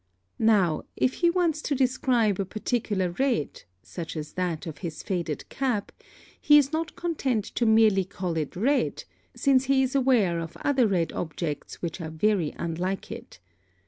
Now, if he wants to describe a particular red, such as that of his faded cap, he is not content to merely call it red, since he is aware of other red objects which are very unlike it.